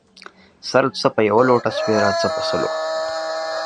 سر څه په يوه لوټۀ سپيره ، څه په سلو.